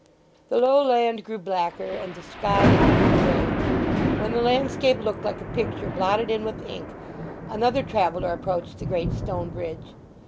The low land grew blacker, and the sky a deeper grey, When the landscape looked like a picture blotted in with ink, another traveller approached the great stone bridge.